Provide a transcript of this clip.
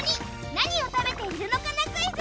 何を食べているのかなクイズ！